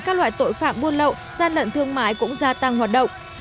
các loại tội phạm buôn lậu gian lận thương mại cũng gia tăng hoạt động